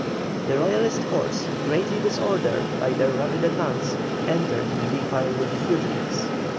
The Royalist horse, greatly disordered by their rapid advance, entered the defile with the fugitives.